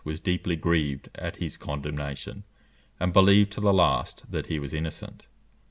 was deeply grieved at his condemnation, and believed to the last that he was innocent.